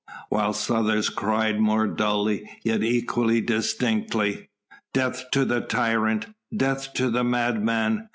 Whilst others cried more dully, yet equally distinctly: "Death to the tyrant! Death to the madman!